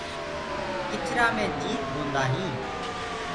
ڪِچرآ مي جيت هوجآندآ هينٚ۔